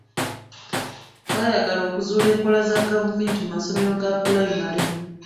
Baayagala okuzuula enkola za gavumenti mu masomero ga pulayimale.